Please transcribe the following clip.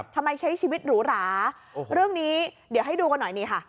ใช้ชีวิตหรูหราเรื่องนี้เดี๋ยวให้ดูกันหน่อยนี่ค่ะ